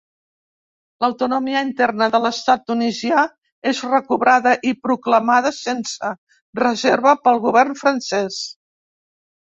L'autonomia interna de l'estat tunisià és recobrada i proclamada sense reserva pel govern francès.